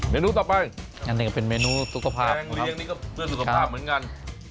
นูต่อไปอันนี้ก็เป็นเมนูสุขภาพเลี้ยงนี่ก็เพื่อสุขภาพเหมือนกัน